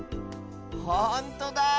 ほんとだ。